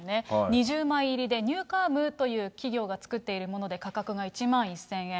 ２０枚入りでニューカームという企業が作っているもので価格が１万１０００円。